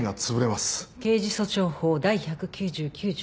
刑事訴訟法第１９９条